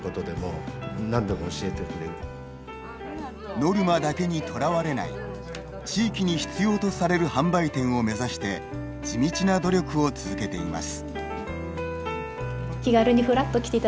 ノルマだけにとらわれない地域に必要とされる販売店を目指して地道な努力を続けています。